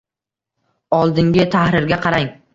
Oldingi tahrirga qarang.